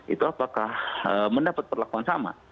itu apakah mendapat perlakuan sama